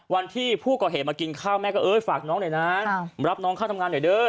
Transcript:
วันที่ผู้ก่อเหตุมากินข้าวแม่ก็เอ้ยฝากน้องหน่อยนะรับน้องเข้าทำงานหน่อยเด้อ